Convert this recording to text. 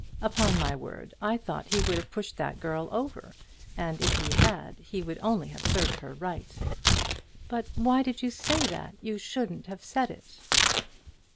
Upon my word, I thought he would have pushed that girl over; and if he had, he would only have served her right." "But why did you say that? You shouldn't have said it."